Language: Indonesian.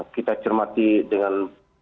kita cermati dengan